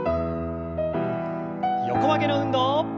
横曲げの運動。